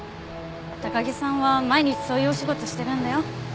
高木さんは毎日そういうお仕事してるんだよ。